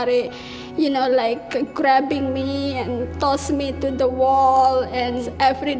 dia mulai mengambil saya dan menyeret saya ke dinding